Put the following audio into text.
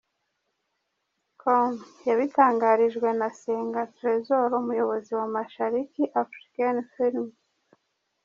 com yabitangarijwe na Senga Tresor umuyobozi wa Mashariki African film.